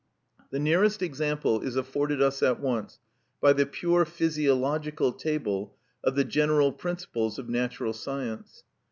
The nearest example is afforded us at once by the pure physiological table of the general principles of natural science.